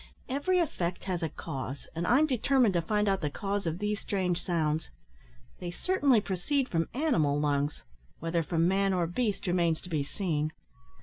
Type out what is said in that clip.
Every effect has a cause, and I'm determined to find out the cause of these strange sounds. They certainly proceed from animal lungs, whether from man or beast remains to be seen."